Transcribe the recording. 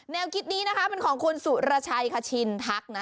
แนวคิดนี้นะคะเป็นของคุณสุรชัยคชินทักนะ